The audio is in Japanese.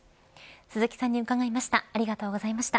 鈴木さんに伺いました。